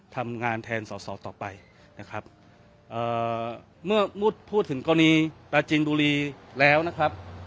ทำงานแทนสอสอต่อไปนะครับเอ่อเมื่อมุดพูดถึงกรณีปราจินบุรีแล้วนะครับ